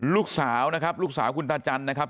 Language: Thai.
ลูกสาวนะครับลูกสาวคุณตาจันทร์นะครับ